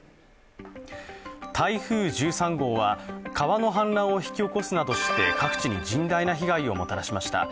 台風１３号は川の氾濫を引き起こすなどして各地に甚大な被害をもたらしました。